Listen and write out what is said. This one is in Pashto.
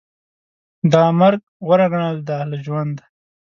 دا مرګ غوره ګڼل دي له ژوند